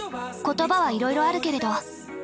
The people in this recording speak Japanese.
言葉はいろいろあるけれど。